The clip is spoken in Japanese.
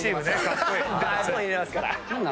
バコン入れますから。